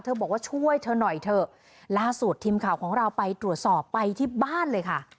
บอกว่าช่วยเธอหน่อยเถอะล่าสุดทีมข่าวของเราไปตรวจสอบไปที่บ้านเลยค่ะ